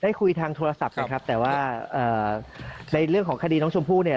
คุยทางโทรศัพท์นะครับแต่ว่าในเรื่องของคดีน้องชมพู่เนี่ย